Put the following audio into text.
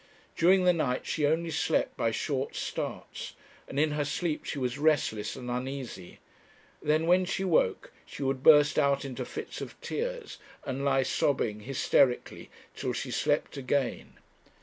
During the night she only slept by short starts, and in her sleep she was restless and uneasy; then, when she woke, she would burst out into fits of tears, and lie sobbing hysterically till she slept again.